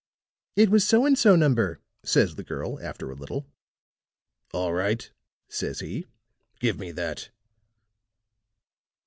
"'It was so and so number,' says the girl, after a little. "'All right,' says he, 'give me that.'"